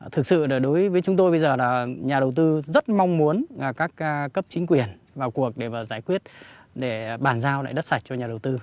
thực sự là đối với chúng tôi bây giờ là nhà đầu tư rất mong muốn các cấp chính quyền vào cuộc để giải quyết để bàn giao lại đất sạch cho nhà đầu tư